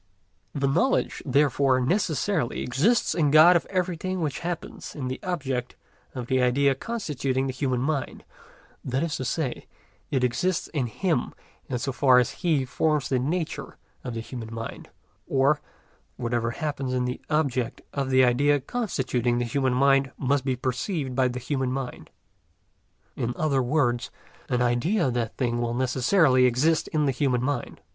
The knowledge, therefore, necessarily exists in God of everything which happens in the object of the idea constituting the human mind; that is to say, it exists in Him in so far as He forms the nature of the human mind; or, whatever happens in the object of the idea constituting the human mind must be perceived by the human mind; in other words, an idea of that thing will necessarily exist in the human mind.